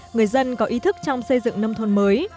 người dân có ý thức trong xây dựng nông thôn mới